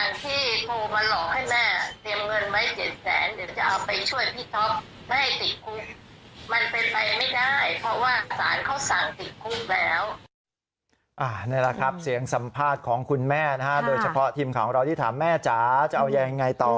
นี่แหละครับเสียงสัมภาษณ์ของคุณแม่นะฮะโดยเฉพาะทีมข่าวของเราที่ถามแม่จ๋าจะเอายังไงต่อ